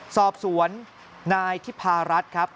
สอบสวนนายทิพารัฐครับ